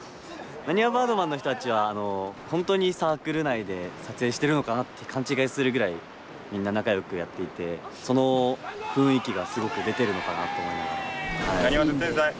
なにわバードマンの人たちは本当にサークル内で撮影してるのかなって勘違いするぐらいみんな仲良くやっていてその雰囲気がすごく出てるのかなと思いながら。